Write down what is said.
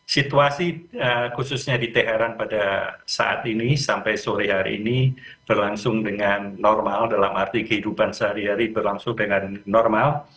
situasi khususnya di teheran pada saat ini sampai sore hari ini berlangsung dengan normal dalam arti kehidupan sehari hari berlangsung dengan normal